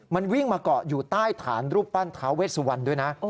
มันวิ่งมาเกาะอยู่ใต้ฐานรูปปั้นท้าเวสวันด้วยนะ